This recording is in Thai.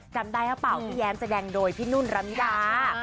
จำได้หรือเปล่าพี่แย้มแสดงโดยพี่นุ่นรำนิดา